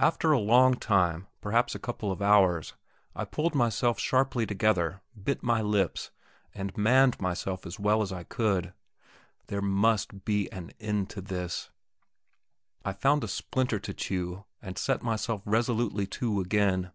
After a long time, perhaps a couple of hours, I pulled myself sharply together, bit my lips, and manned myself as well as I could. There must be an end to this! I found a splinter to chew, and set myself resolutely to again.